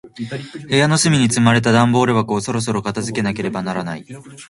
部屋の隅に積まれた段ボール箱を、そろそろ片付けなければならない。